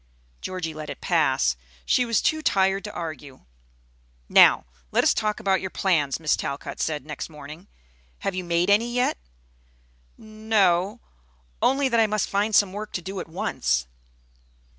Georgie let it pass. She was too tired to argue. "Now, let us talk about your plans," Miss Talcott said next morning. "Have you made any yet?" "N o; only that I must find some work to do at once."